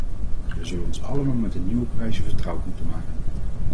Wij zullen ons allemaal met de nieuwe prijzen vertrouwd moeten maken.